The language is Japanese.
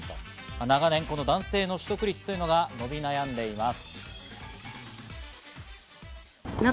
長年、男性の取得率が伸び悩んでいます。